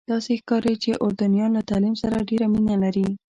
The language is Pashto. داسې ښکاري چې اردنیان له تعلیم سره ډېره مینه لري.